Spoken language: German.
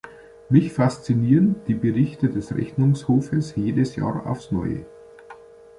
Mich faszinieren die Berichte des Rechnungshofes jedes Jahr aufs neue.